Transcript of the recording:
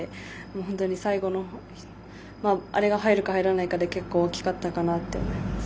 本当に最後のあれが入るか入らないかで結構、大きかったかなと思います。